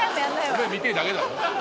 お前見てえだけだろ。